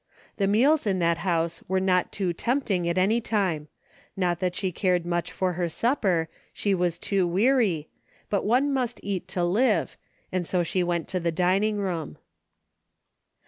The meals in that house were not too tempting at any time. I^ot that she cared much for her supper, she was too weary, but one must eat to live, and so she went to the dining room.